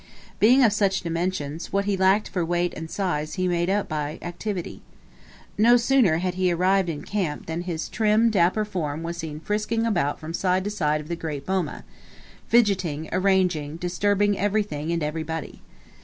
Being of such dimensions, what he lacked for weight and size he made up by activity. No sooner had he arrived in camp than his trim dapper form was seen frisking about from side to side of the great boma, fidgeting, arranging, disturbing everything and everybody.